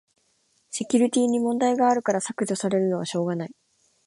セキュリティに問題あるから削除されるのはしょうがない